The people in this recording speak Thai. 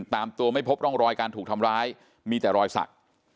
ตามตัวไม่พบร่องรอยการถูกทำร้ายมีแต่รอยสัก